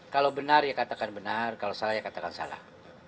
kalau benar ya katakan benar kalau salah ya katakan salah